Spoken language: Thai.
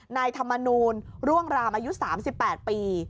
นายธรรมนูลร่วงรามอายุ๓๘ปี